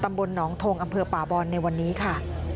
ตำบลหนองทงอำเภอป่าบอนในวันนี้ค่ะ